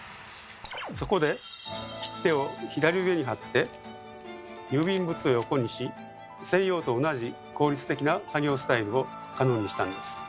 そこで切手を左上に貼って郵便物を横にし西洋と同じ効率的な作業スタイルを可能にしたんです。